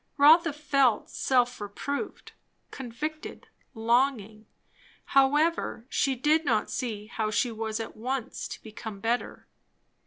Rotha felt self reproved, convicted, longing; however she did not see how she was at once to become better.